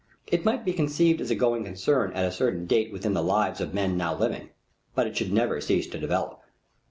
It might be conceived as a going concern at a certain date within the lives of men now living, but it should never cease to develop.